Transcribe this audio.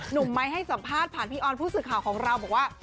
ไม้ให้สัมภาษณ์ผ่านพี่ออนผู้สื่อข่าวของเราบอกว่า